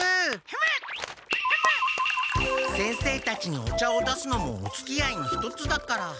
先生たちにお茶を出すのもおつきあいの一つだから。